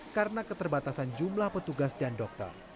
karena keterbatasan jumlah petugas dan dokter